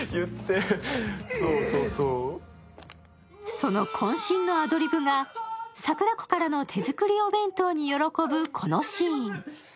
そのこん身のアドリブが桜子からの手作りお弁当に喜ぶこのシーン。